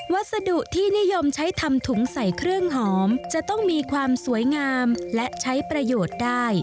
วัสดุที่นิยมใช้ทำถุงใส่เครื่องหอมจะต้องมีความสวยงามและใช้ประโยชน์ได้